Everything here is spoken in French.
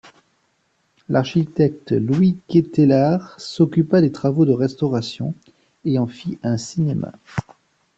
L’architecte Louis Quételart s’occupa des travaux de restauration et en fit un cinéma.